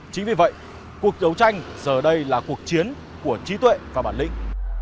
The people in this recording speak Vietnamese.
chính vì vậy cuộc đấu tranh giờ đây là cuộc chiến của trí tuệ và bản lĩnh